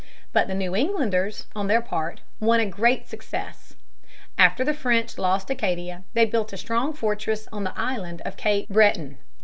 But the New Englanders, on their part, won a great success. After the French lost Acadia they built a strong fortress on the island of Cape Breton.